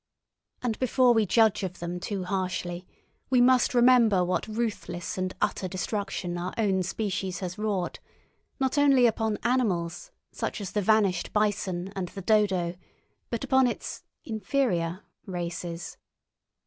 And before we judge of them too harshly we must remember what ruthless and utter destruction our own species has wrought, not only upon animals, such as the vanished bison and the dodo, but upon its inferior races.